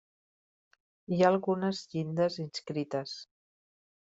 Hi ha algunes llindes inscrites.